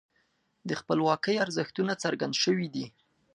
د خپلواکۍ ارزښتونه څرګند شوي دي.